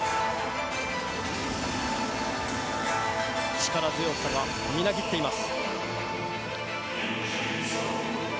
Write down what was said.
力強さがみなぎっています。